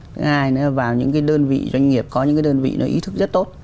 thứ hai nữa là vào những cái đơn vị doanh nghiệp có những cái đơn vị nó ý thức rất tốt